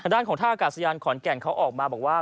ด้านของท่าอากาศยานขอนแก่นเขาออกมาบอกว่า